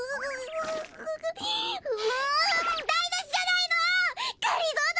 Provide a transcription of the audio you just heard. もうだいなしじゃないの！